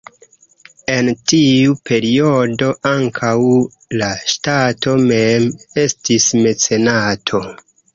En tiu periodo ankaŭ la ŝtato mem estis mecenato.